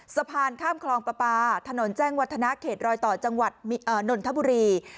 สะพานข้ามคลองประปาถนนแจ้งวัฒนาเขตรอยต่อจังหวัดนนทบุรี